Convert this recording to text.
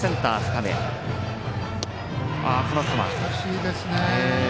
難しいですね。